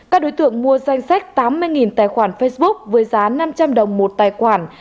các đối tượng mua danh sách tám mươi tài khoản facebook với giá năm trăm linh đồng một tài khoản